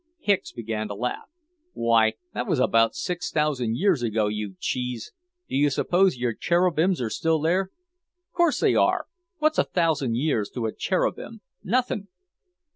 Hicks began to laugh. "Why, that was about six thousand years ago, you cheese! Do you suppose your cherubims are still there?" "'Course they are. What's a thousand years to a cherubim? Nothin'!"